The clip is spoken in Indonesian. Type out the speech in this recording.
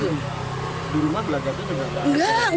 di rumah belajar itu nggak ada